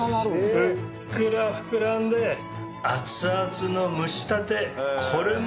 ふっくら膨らんで熱々の蒸したて。